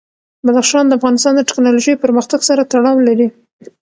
بدخشان د افغانستان د تکنالوژۍ پرمختګ سره تړاو لري.